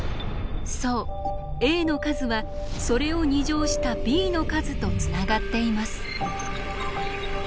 そうＡの数はそれを２乗したＢの数とつながっています。